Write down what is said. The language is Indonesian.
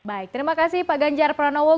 baik terima kasih pak ganjar pranowo